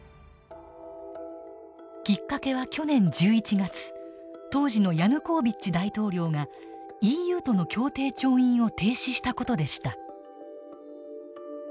きっかけは去年１１月当時のヤヌコービッチ大統領がＥＵとの協定調印を停止した事でした。